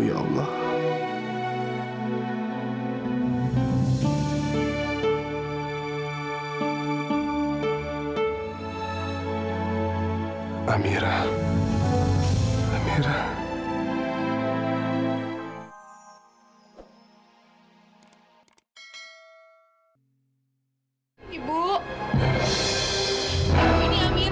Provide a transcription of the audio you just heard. ibu amira kangen banget sama ibu